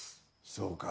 そうか。